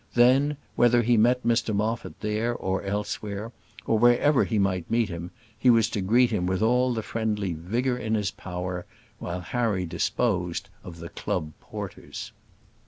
Then, whether he met Mr Moffat there or elsewhere, or wherever he might meet him, he was to greet him with all the friendly vigour in his power, while Harry disposed of the club porters.